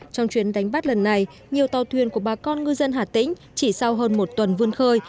trong chuyến đánh bắt lần này nhiều tàu thuyền của bà con ngư dân hà tĩnh chỉ sau hơn một tuần vươn khơi